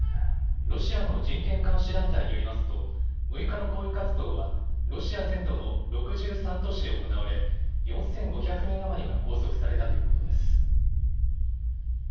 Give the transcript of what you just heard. ロシアの人権監視団体によりますと６日の抗議活動は、ロシア全土の６３都市で行われ４５００人余りが拘束されたということです。